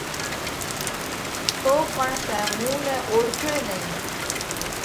تو پڻ تئين مُون نئہ اوۯکيو ئي نئين۔